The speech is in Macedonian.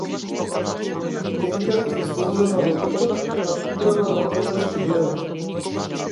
Тенка и издолжена во ликот, напудрена мртовечки бледо.